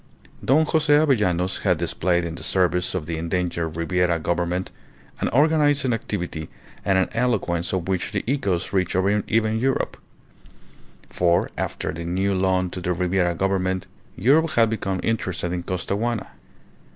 Don Jose Avellanos had displayed in the service of the endangered Ribiera Government an organizing activity and an eloquence of which the echoes reached even Europe. For, after the new loan to the Ribiera Government, Europe had become interested in Costaguana.